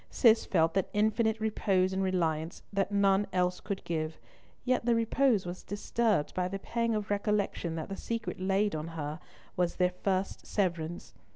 Cis felt that infinite repose and reliance that none else could give, yet the repose was disturbed by the pang of recollection that the secret laid on her was their first severance.